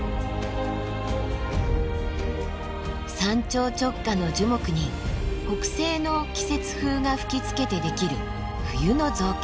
山頂直下の樹木に北西の季節風が吹きつけてできる冬の造形。